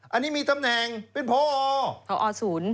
อันนี้มีตำแหน่งเป็นพอพอศูนย์